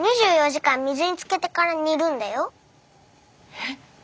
えっ！